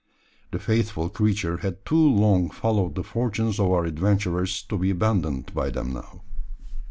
The faithful creature had too long followed the fortunes of our adventurers to be abandoned by them now.